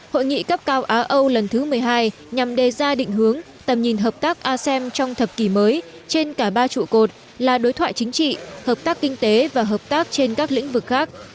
hội nghị cấp cao á âu lần thứ một mươi hai nhằm đề ra định hướng tầm nhìn hợp tác asem trong thập kỷ mới trên cả ba trụ cột là đối thoại chính trị hợp tác kinh tế và hợp tác trên các lĩnh vực khác